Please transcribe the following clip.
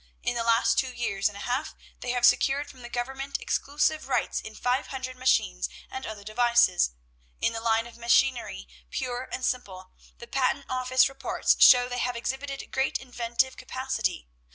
In the last two years and a half they have secured from the government exclusive rights in five hundred machines and other devices. In the line of machinery, pure and simple, the patent office reports show they have exhibited great inventive capacity.